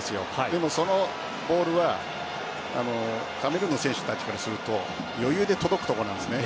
でも、そのボールはカメルーンの選手たちからすると余裕で届くところなんですね。